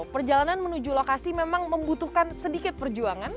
perjalanan menuju lokasi memang membutuhkan sedikit perjuangan